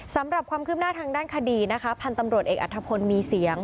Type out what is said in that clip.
สำหรับความคืบหน้าทางด้านคดีนะคะพันธุ์ตำรวจเอกอัฐพลมีเสียง